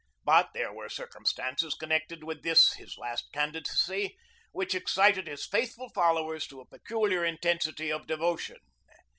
But there were circumstances connected with this his last candidacy which excited his faithful followers to a peculiar intensity of devotion.